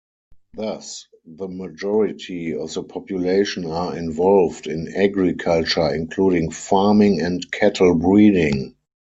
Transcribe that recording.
Thus, the majority of the population are involved in agriculture, including farming and cattle-breeding.